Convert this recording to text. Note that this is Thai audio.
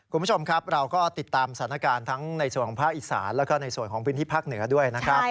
คุณผู้ชมครับเราก็ติดตามสถานการณ์ทั้งในส่วนของภาคอีสานแล้วก็ในส่วนของพื้นที่ภาคเหนือด้วยนะครับ